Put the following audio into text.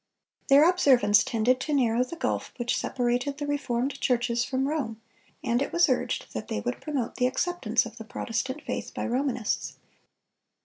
Their observance tended to narrow the gulf which separated the reformed churches from Rome, and it was urged that they would promote the acceptance of the Protestant faith by Romanists.